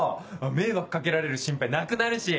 迷惑掛けられる心配なくなるし。